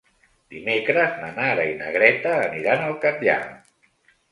Dimecres na Nara i na Greta aniran al Catllar.